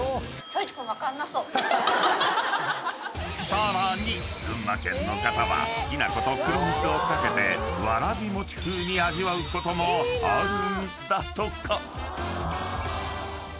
［さらに群馬県の方はきなこと黒蜜を掛けてわらび餅風に味わうこともあるんだとか］